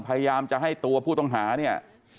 พยายามจะให้ตัวผู้ต้องหาเนี่ย